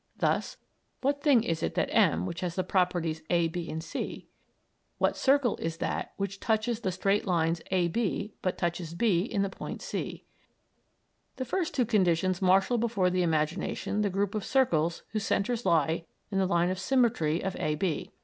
Thus: "What thing is that M which has the properties A, B, C?" "What circle is that which touches the straight lines A, B, but touches B in the point C?" The first two conditions marshal before the imagination the group of circles whose centres lie in the line of symmetry of A, B.